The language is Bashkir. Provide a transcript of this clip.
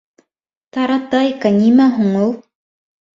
— Таратайка нимә һуң ул?